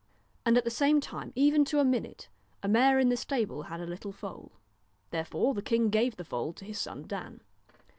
And at the same time, even to a minute, a mare in the stable had a little foal. Therefore the king gave the foal to his son Dan.